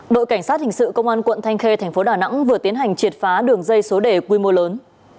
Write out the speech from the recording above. đội cảnh sát hình sự công an quận thanh khê tp đà nẵng vừa tiến hành triệt phá đường dây số đề quy mô lớn